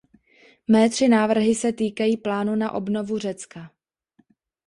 Mé tři návrhy se týkají plánu na obnovu Řecka.